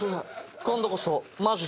今度こそマジです。